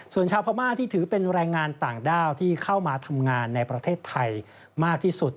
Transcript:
ส่วนชาวพม่าที่ถือเป็นแรงงานต่างด้าวที่เข้ามาทำงานในประเทศไทยมากที่สุด